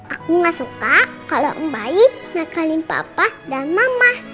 aku gak suka kalau baik nakalin papa dan mama